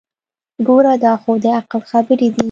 ګوره دا خو دعقل خبرې دي.